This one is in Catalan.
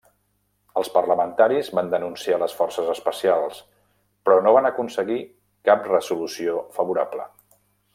Els parlamentaris van denunciar les forces especials, però no van aconseguir cap resolució favorable.